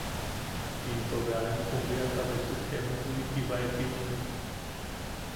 Into bea empo bwiata betuk emo bwitibae ti jiune.